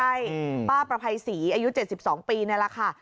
ใช่ป้าประภัยศรีอายุ๗๒ปีนี่แหละค่ะ